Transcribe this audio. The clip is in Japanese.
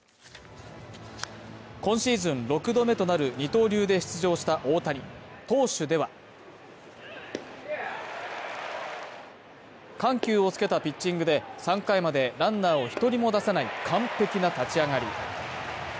今シーズン６度目となる二刀流で出場した大谷、投手では緩急をつけたピッチングで３回までランナーを１人も出さない完璧な立ち上がり。